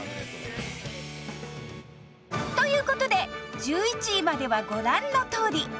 という事で１１位まではご覧のとおり